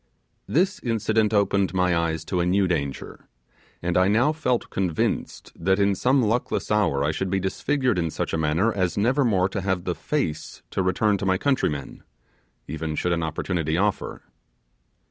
This incident opened my eyes to a new danger; and I now felt convinced that in some luckless hour I should be disfigured in such a manner as never more to have the FACE to return to my countrymen, even should an opportunity offer.